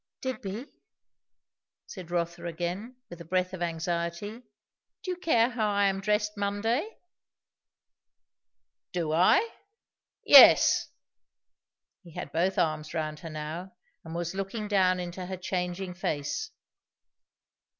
"Digby," said Rotha again, with a breath of anxiety, "do you care how I am dressed Monday?" "Do I? Yes." He had both arms round her now, and was looking down into her changing face.